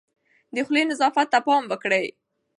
د خولې نظافت ته پام وکړئ.